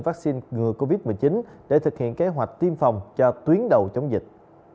vắc xin ngừa covid một mươi chín để thực hiện kế hoạch tiêm phòng cho tuyến đầu chống dịch